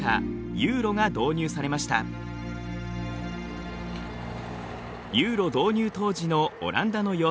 ユーロ導入当時のオランダの様子です。